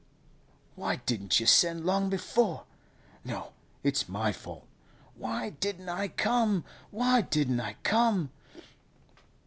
'Why didn't you send long before? No, it's my fault. Why didn't I come? Why didn't I come?